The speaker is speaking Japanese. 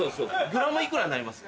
グラム幾らになります？